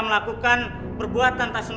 kalau percaya ya dong